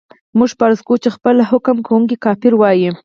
موږ فرض کوو چې خپله حکم کوونکی کافر وای.